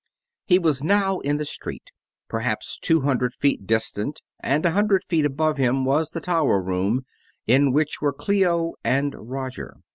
He was now in the street. Perhaps two hundred feet distant and a hundred feet above him was the tower room in which were Clio and Roger.